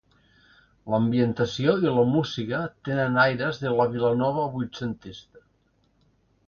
L'ambientació i la música tenen aires de la Vilanova vuitcentista.